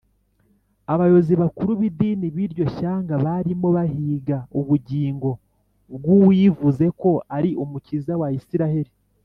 . Abayobozi bakuru b’idini b’iryo shyanga barimo bahiga ubugingo bw’uwivuze ko ari Umukiza wa Isiraheli.